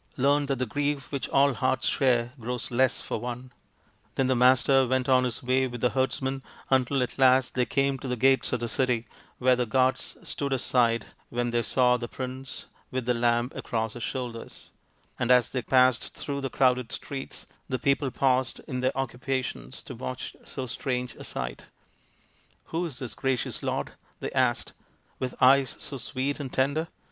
Learn that the grief which all hearts share grows less for one/' Then the Master went on his way with the herds men until at last they came to the gates of the city, where the guards stood aside when they saw the prince with the lamb across his shoulders ; and as they passed through the crowded streets the people paused in their occupations to watch so strange a sight. " Who is this gracious lord," they asked, " with eyes so sweet and tender